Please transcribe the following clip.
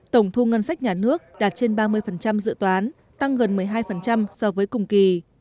tổng thu ngân sách nhà nước đạt trên ba mươi dự toán tăng gần một mươi hai so với cùng kỳ